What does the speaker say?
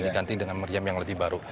diganti dengan meriam yang lebih baru